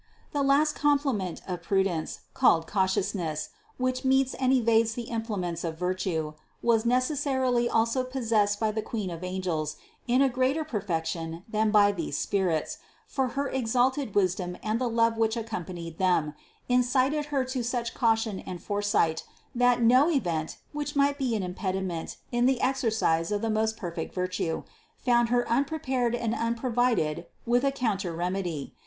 545. The last complement of prudence, called cautious ness, which meets and evades the impediments of virtue, was necessarily also possessed by the Queen of angels in a greater perfection than by these spirits ; for her exalted wisdom and the love which accompanied it, incited Her to such caution and foresight, that no event which might be an impediment in the exercise of the most perfect vir tue, found Her unprepared and unprovided with a coun ter remedy.